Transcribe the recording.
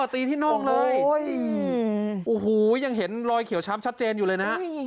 ตีที่นอกเลยโอ้โหยังเห็นรอยเขียวช้ำชัดเจนอยู่เลยนะ